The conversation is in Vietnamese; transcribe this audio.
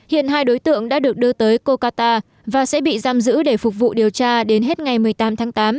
hiện hai đối tượng đã được đưa tới coca và sẽ bị giam giữ để phục vụ điều tra đến hết ngày một mươi tám tháng tám